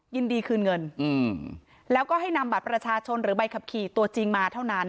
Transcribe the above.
ยินดีคืนเงินแล้วก็ให้นำบัตรประชาชนหรือใบขับขี่ตัวจริงมาเท่านั้น